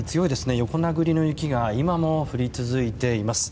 横殴りの雪が今も降り続いています。